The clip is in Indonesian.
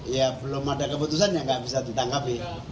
ya belum ada keputusan yang tidak bisa ditangkap